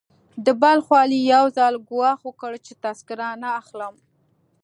د بلخ والي يو ځل ګواښ وکړ چې تذکره نه اخلم.